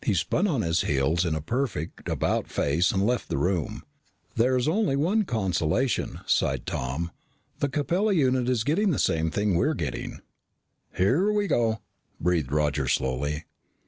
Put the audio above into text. He spun on his heels in a perfect about face and left the room. "There is only one consolation," sighed Tom. "The Capella unit is getting the same thing we're getting." "Here we go!" breathed Roger slowly.